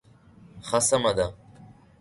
ښه سمه ده.